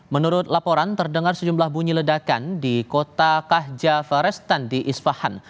menurut laporan terdengar sejumlah bunyi ledakan di kota kahjavarestan di ispahan